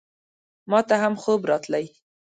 ماته هم خوب راتلی !